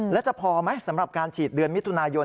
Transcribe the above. แล้วจะพอไหมสำหรับการฉีดเดือนมิถุนายน